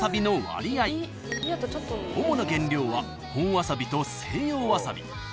［主な原料は本わさびと西洋わさび］